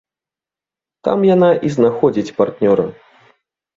Там яна і знаходзіць партнёра.